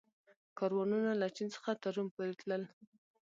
کاروانونه له چین څخه تر روم پورې تلل